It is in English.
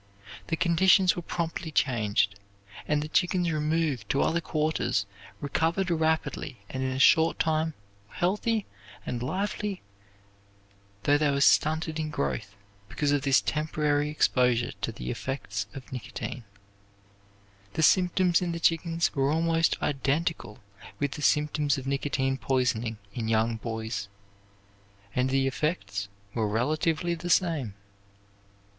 The conditions were promptly changed, and the chickens removed to other quarters recovered rapidly and in a short time were healthy and lively though they were stunted in growth because of this temporary exposure to the effects of nicotine. The symptoms in the chickens were almost identical with the symptoms of nicotine poisoning in young boys, and the effects were relatively the same.